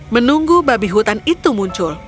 menunggu babi hutan itu muncul